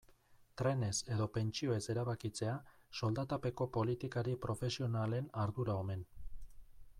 Trenez edo pentsioez erabakitzea soldatapeko politikari profesionalen ardura omen.